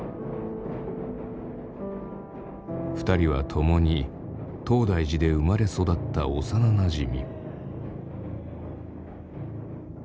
２人は共に東大寺で生まれ育った幼なじみ。